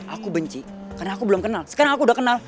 aku benci karena aku belum kenal sekarang aku udah kenal